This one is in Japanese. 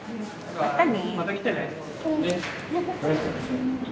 またね。